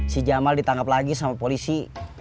si jamal ditangkap lagi sama polisi